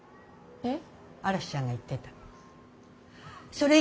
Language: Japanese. えっ？